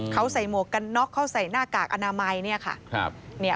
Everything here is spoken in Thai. เขาใส่หมวกกันน็อกเขาใส่หน้ากากอนามัย